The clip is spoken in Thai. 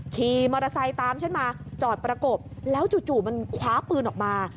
ขี่มอเตอร์ไซค์ตามฉันมาจอดประกบแล้วจู่มันคว้าปืนออกมา